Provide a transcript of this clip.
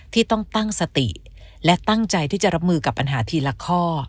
ที่ต้องตั้งสติและตั้งใจที่จะรับมือกับปัญหาทีละข้อ